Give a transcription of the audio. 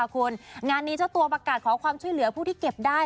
คุณงานนี้เจ้าตัวประกาศขอความช่วยเหลือผู้ที่เก็บได้